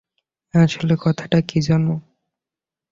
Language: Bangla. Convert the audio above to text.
আসল কথাটা কী জান?